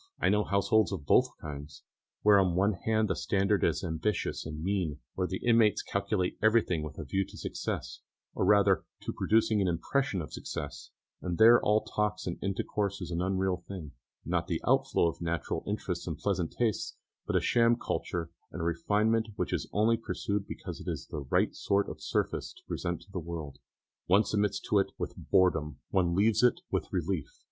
I know households of both kinds where on the one hand the standard is ambitious and mean, where the inmates calculate everything with a view to success, or rather to producing an impression of success; and there all talk and intercourse is an unreal thing, not the outflow of natural interests and pleasant tastes, but a sham culture and a refinement that is only pursued because it is the right sort of surface to present to the world. One submits to it with boredom, one leaves it with relief.